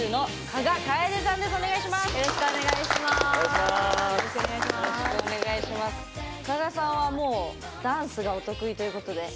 加賀さんはダンスがお得意ということで。